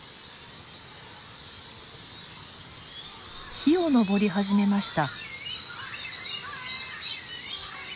木を登り始めました。